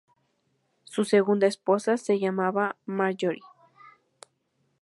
Su segunda esposa se llamaba Marjorie.